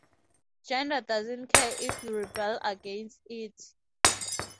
Gender doesn’t care if you rebel against it.